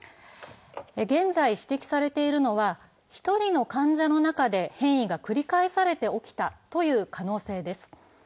現在、指摘されているのは１人の患者の中で変異が繰り返して起きたという可能性です。